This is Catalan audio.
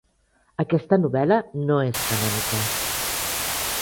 Aquesta novel·la no és canònica.